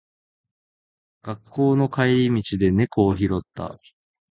学校の帰り道で猫を拾った。